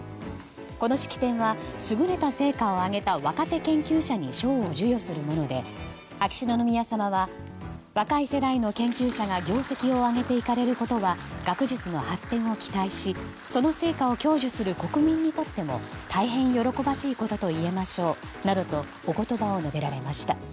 この式典は優れた成果を挙げた若手研究者に賞を授与するもので秋篠宮さまは若い世代の研究者が業績を上げていかれることは学術の発展を期待しその成果を享受する国民にとっても大変喜ばしいことといえましょうなどとお言葉を述べられました。